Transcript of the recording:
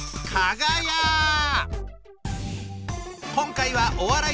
今回はお笑い